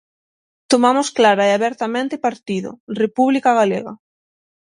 Tomamos clara e abertamente partido: República Galega.